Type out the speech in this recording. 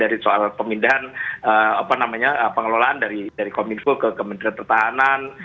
dari soal pemindahan pengelolaan dari kominfo ke kementerian pertahanan